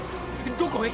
どこへ！？